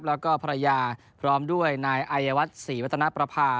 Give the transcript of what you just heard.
แล้วก็ภรรยาพร้อมด้วยนายอายวัฒน์ศรีวัฒนประภา